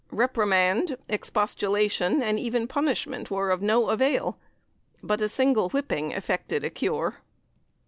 Reprimand, expostulation and even punishment were of no avail; but a single "whipping" effected a cure.